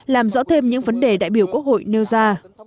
làm rõ thêm những vấn đề đại biểu quốc hội nêu ra